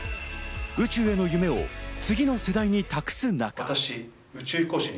宇宙への夢を次の世代に託す中。